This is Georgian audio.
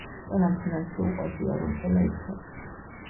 ყველა მცენარეს ისე უყვარს ია რომ ყველა იცავს